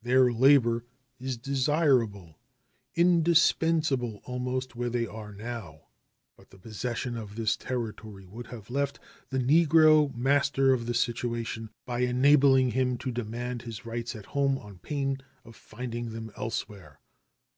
Their labor is desirable indispensable almost where they now are. But the possession of this territory would have left the negro "master of the situation," by enabling him to demand his rights at home on pain of finding them elsewhere.